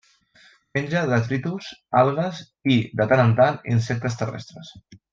Menja detritus, algues i, de tant en tant, insectes terrestres.